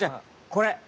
これ！